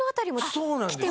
そうなんです。